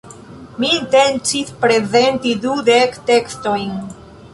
Mi intencis prezenti dudek tekstojn.